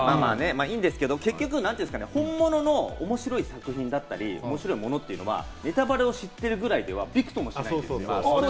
いいんですけれども、本物の面白い作品だったり面白いものというのは、ネタバレを知ってるぐらいでは、びくともしないんですよ。